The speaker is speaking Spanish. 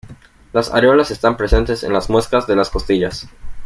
Las areolas están presentes en las muescas de las costillas.